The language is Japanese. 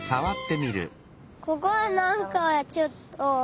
ここはなんかちょっと。